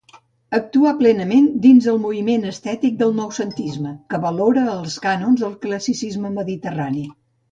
Actuà plenament dins el moviment estètic del Noucentisme, que valorava els cànons del classicisme mediterrani.